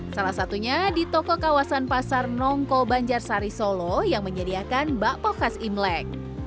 salah satunya di toko kawasan pasar nongko banjar sari solo yang menyediakan bakpok khas imlek